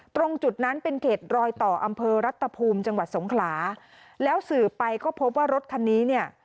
ตรงจุดนั้นเป็นเขตรอยต่ออำเภอรัตภูมิจังหวัดสงขลาแล้วสืบไปก็พบว่ารถคันนี้เนี่ย